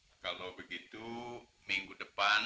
tidak tidak tidak